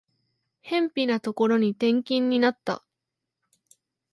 辺ぴなところに転勤になった